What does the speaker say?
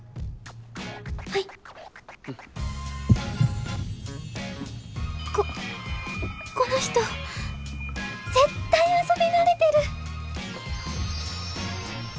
はいここの人絶対遊び慣れてる